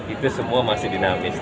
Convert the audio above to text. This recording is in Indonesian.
itu semua masih dinamis